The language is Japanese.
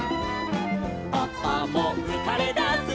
「パパもうかれだすの」